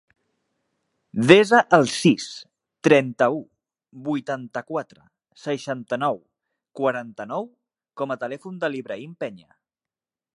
Desa el sis, trenta-u, vuitanta-quatre, seixanta-nou, quaranta-nou com a telèfon de l'Ibrahim Peña.